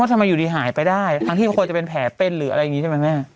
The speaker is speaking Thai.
ทำไมอยู่ดีหายไปได้ทั้งที่ควรจะเป็นแผลเต้นหรืออะไรอย่างนี้ใช่ไหมแม่